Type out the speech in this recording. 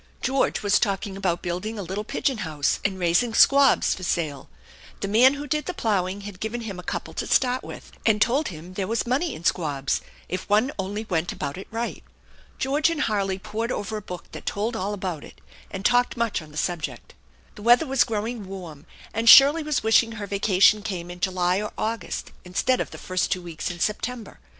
George was talking about building a little pigeon house and raising squabs for sale. The man who did the ploughing had given him a couple to start with and told him there was money in squabs if one only went about it right. George and Harley pored over a book that told all about it, and talked much on the subject. The weather was growing warm, and Shirley was wishing her vacation came in July or August instead of the first two weeks in September.